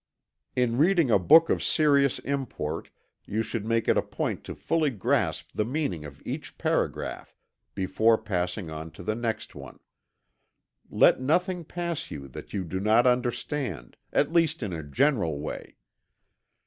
In reading a book of serious import, you should make it a point to fully grasp the meaning of each paragraph before passing on to the next one. Let nothing pass you that you do not understand, at least in a general way.